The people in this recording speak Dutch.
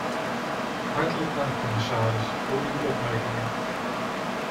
Hartelijk dank, commissaris, voor uw opmerkingen.